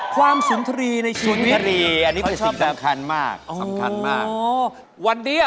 ความสุนทรีในชวนนี้